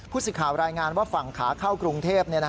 สิทธิ์รายงานว่าฝั่งขาเข้ากรุงเทพ